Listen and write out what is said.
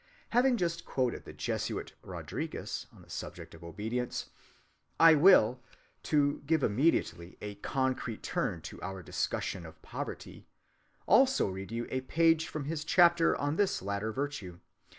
Having just quoted the Jesuit Rodriguez on the subject of obedience, I will, to give immediately a concrete turn to our discussion of poverty, also read you a page from his chapter on this latter virtue.